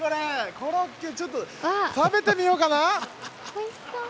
コロッケ、ちょっと食べてみようかな。